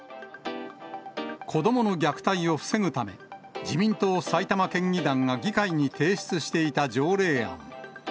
子どもの虐待を防ぐため、自民党埼玉県議団が議会に提出していた条例案。